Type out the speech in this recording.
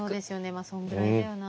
まあそんぐらいだよな。